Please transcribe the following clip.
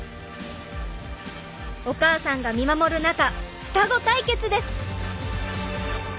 お母さんが見守る中双子対決です！